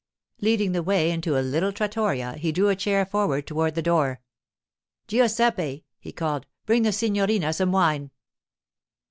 Leading the way into a little trattoria, he drew a chair forward toward the door. 'Giuseppe,' he called, 'bring the signorina some wine.